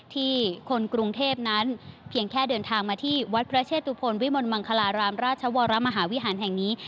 ที่คนกรุงเทพนั้นเพียงแค่เดินทางมาที่วัดพระเชตุพลวิมลมังคลารามราชวรมหาวิหารแห่งนี้